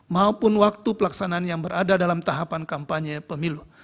maupun waktu pelaksanaan yang berada dalam tahapan kampanye pemilu